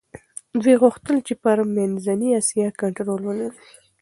دوی غوښتل چي پر منځنۍ اسیا کنټرول ولري.